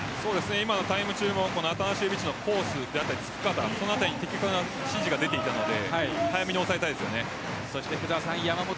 今のタイム中もアタナシエビッチのコースであったり、つき方その辺り的確な指示が出ていたので早めに押さえたいですよね。